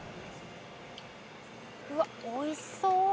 うわおいしそう！